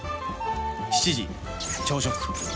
７時朝食